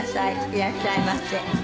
いらっしゃいませ。